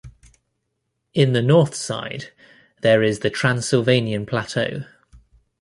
In the North side there is the Transylvanian Plateau.